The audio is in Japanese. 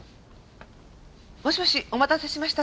もしもしお待たせしました。